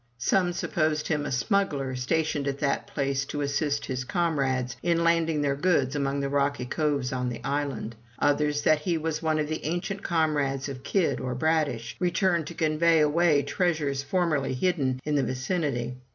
Some supposed him a smuggler stationed at that place to assist his com rades in landing their goods among the rocky coves of the island. Others, that he was one of the ancient comrades of Kidd or Bradish, returned to convey away treasures formerly hidden in the vicinity.